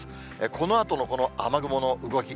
このあとのこの雨雲の動き。